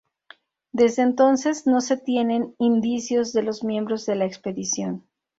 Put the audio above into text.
Desde entonces no se tienen indicios de los miembros de la expedición.